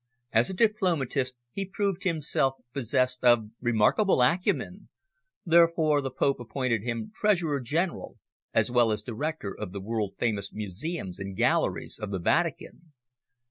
As a diplomatist he proved himself possessed of remarkable acumen, therefore the Pope appointed him treasurer general, as well as director of the world famous museums and galleries of the Vatican.